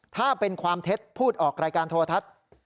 ถ้าเป็นความเท็จพูดออกรายการโทรทัศน์